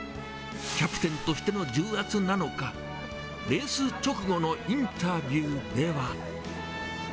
キャプテンとしての重圧なのか、レース直後のインタビューでは。